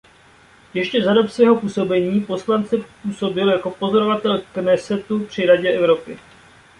Ještě za dob svého působení poslance působil jako pozorovatel Knesetu při Radě Evropy.